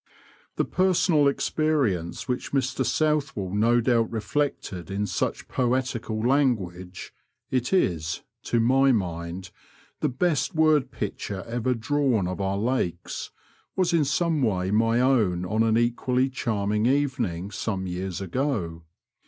The personal experience which Mr Southwell no doubt reflected in such poetical language — it is, to my mind, the best word picture ever drawn of our lakes — was in some way my own on an equally charming evening some years ago.